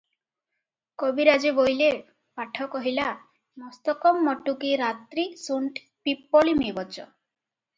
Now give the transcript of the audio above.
କବିରାଜେ ବୋଇଲେ, 'ପାଠ କହିଲା, 'ମସ୍ତକଂ ମଟୁକୀ ରାତ୍ରୀ ଶୁଣ୍ଠି ପିପ୍ପଳିମେବଚ ।